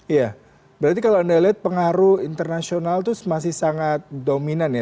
iya berarti kalau anda lihat pengaruh internasional itu masih sangat dominan ya